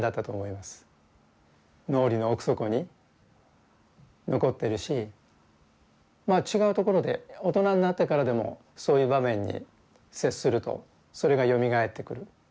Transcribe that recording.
脳裏の奥底に残っているし違うところで大人になってからでもそういう場面に接するとそれがよみがえってくる。